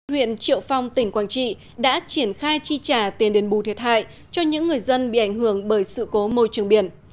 huyện triệu phong tỉnh quảng trị đã triển khai chi trả tiền đền bù thiệt hại cho những người dân bị ảnh hưởng bởi sự cố môi trường biển